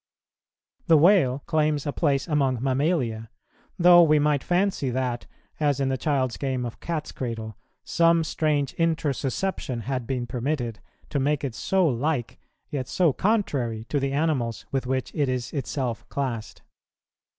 The whale claims a place among mammalia, though we might fancy that, as in the child's game of catscradle, some strange introsusception had been permitted, to make it so like, yet so contrary, to the animals with which it is itself classed.